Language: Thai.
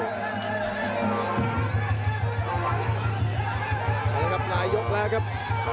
แล้วครับหลายยกแล้วครับ